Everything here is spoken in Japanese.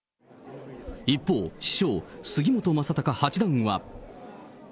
一方、師匠、杉本昌隆八段は。